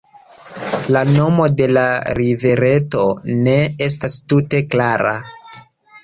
La nomo de la rivereto ne estas tute klara.